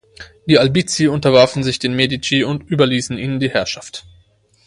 Die Albizzi unterwarfen sich den Medici und überließen ihnen die Herrschaft.